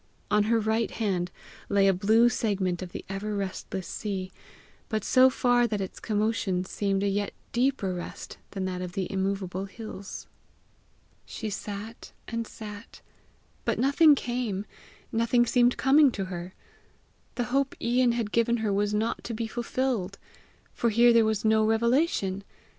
On her right hand lay a blue segment of the ever restless sea, but so far that its commotion seemed a yet deeper rest than that of the immovable hills. She sat and sat, but nothing came, nothing seemed coming to her. The hope Ian had given her was not to be fulfilled! For here there was no revelation!